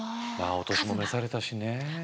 お年も召されたしね。